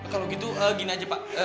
kalau gitu gini aja pak